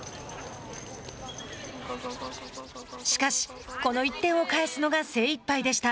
しかし、この１点を返すのが精いっぱいでした。